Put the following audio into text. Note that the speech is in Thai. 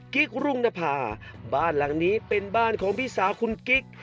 กิ๊กรุงนภาบ้านหลังนี้เป็นบ้านของพี่สาวคุณกิ๊ก